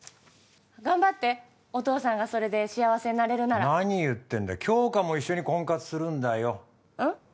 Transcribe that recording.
頑張ってお父さんがそれで幸せになれるなら何言ってんだ杏花も一緒に婚活するんだようん？